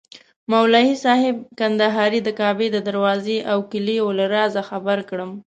مولوي صاحب کندهاري د کعبې د دروازې او کیلیو له رازه خبر کړم.